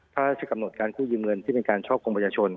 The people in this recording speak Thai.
พระราชกำหนดการกู้ยืมเงินที่เป็นการช่อกงประชาชน